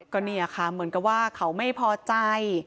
ก็เนี่ยค่ะเหมือนกับว่าเขาไม่พอใจ